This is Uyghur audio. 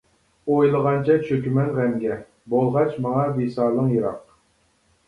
ئويلىغانچە چۆكىمەن غەمگە، بولغاچ ماڭا ۋىسالىڭ يىراق.